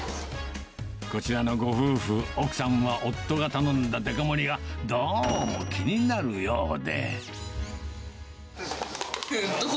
こちらのご夫婦、奥さんも夫が頼んだデカ盛りがどうも気になるようで。